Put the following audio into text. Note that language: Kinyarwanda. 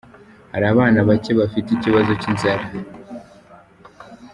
Hari abana bake bagifite ikibazo cy’inzara.